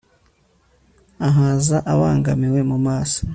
Ahaza abangamiwe mu maso